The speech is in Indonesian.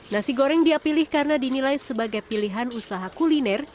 nasi goreng dia pilih karena dinilai sebagai pilihan usaha kuliner